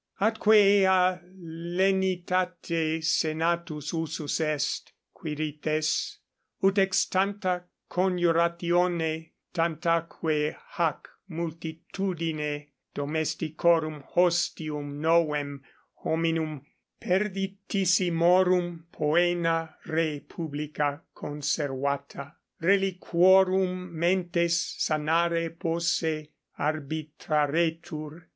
Atque ea 15 lenitate senatus usus est, Quirites, ut ex tanta coniuratione tantaque hac multitudine domesticorum hostium novem hominum perditissimorum poena re publica conservata, reliquorum mentes sanari posse arbitraretur.